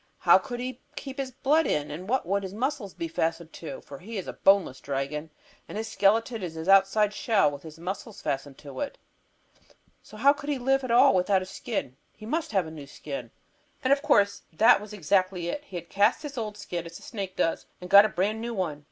How could he keep his blood in, and what would his muscles be fastened to, for he is a boneless dragon, and his skeleton is his outside shell, with his muscles fastened to it? So how could he live at all without a skin? He must have a new skin." And, of course, that was exactly it. He had cast his old skin, as a snake does, and had got a brand new one.